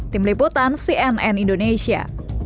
tim liputan cnn indonesia